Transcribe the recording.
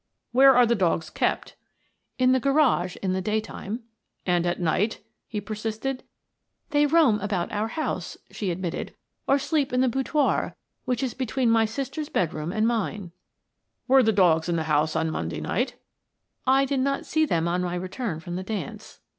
"Where are the dogs kept?" "In the garage in the daytime." "And at night?" he persisted. "They roam about our house," she admitted, "or sleep in the boudoir, which is between my sister's bedroom and mine. "Were the dogs in the house on Monday night?" "I did not see them on my return from the dance."